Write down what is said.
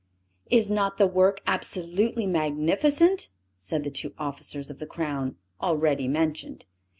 "Is not the work absolutely magnificent?" said the two officers of the crown, already mentioned.